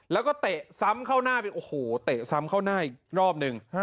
แล้วก็เตะซ้ำเข้าหน้าไปโอ้โหเตะซ้ำเข้าหน้าอีกรอบนึง